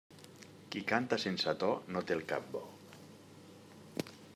Qui canta sense to no té el cap bo.